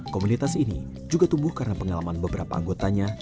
komunitas ini juga tumbuh karena pengalaman beberapa anggotanya